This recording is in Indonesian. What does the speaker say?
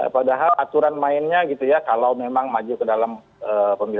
padahal aturan mainnya gitu ya kalau memang maju ke dalam pemilu